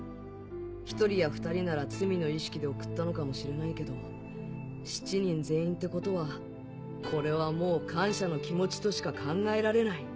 １人や２人なら罪の意識で送ったのかもしれないけど７人全員ってことはこれはもう感謝の気持ちとしか考えられない。